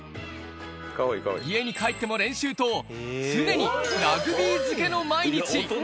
家に帰っても練習と常にラグビー漬けの毎日。